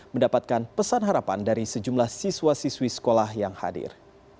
mendapatkan pesan harapan dari sejumlah siswa siswi sekolah yang hadir